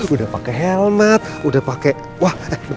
udah pakai helmet udah pakai wah